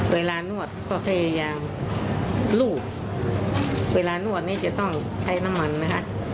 เวลานวดก็พยายามลูบเวลานวดนี่จะต้องใช้น้ำมันไหมคะ